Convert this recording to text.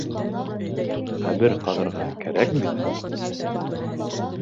Ҡәбер ҡаҙырға кәрәк бит?